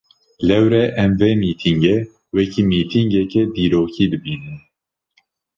Lewre em vê mîtîngê, wekî mîtîngeke dîrokî dibînin